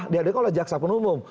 dihadirkan oleh jaksa penumum